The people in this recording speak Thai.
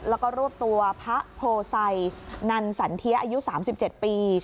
แล้วก็รวบตัวพระโพไซนันสันเทียอายุ๓๗ปี